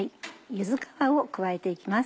柚子皮を加えて行きます。